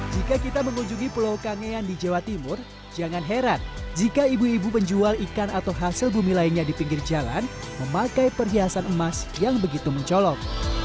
jika kita mengunjungi pulau kangean di jawa timur jangan heran jika ibu ibu penjual ikan atau hasil bumi lainnya di pinggir jalan memakai perhiasan emas yang begitu mencolok